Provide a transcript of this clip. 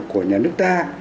của nhà nước ta